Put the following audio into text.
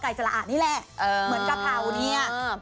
กอไก่จระอ่ะนี่แหละเหมือนกะเพร่าอย่างนี้